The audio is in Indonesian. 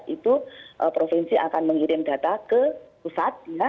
itu provinsi akan mengirim data ke pusat ya